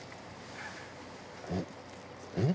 うんうん？